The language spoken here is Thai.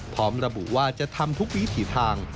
พร้อมระบุว่าจะทำทุกวิถีทาง